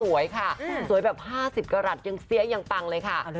สวยค่ะสวยแบบ๕๐กรัฐยังเสียยังปังเลยค่ะ